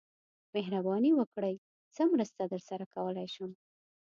مهرباني وکړئ څه مرسته درسره کولای شم